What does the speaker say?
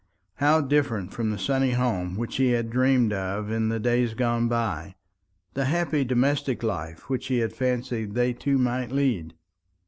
How different from the sunny home which he had dreamed of in the days gone by the happy domestic life which he had fancied they two might lead!